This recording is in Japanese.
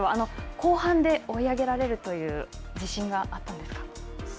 後半で追い上げられるという自信があったんですか。